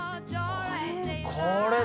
これ。